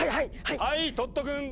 はいトットくん！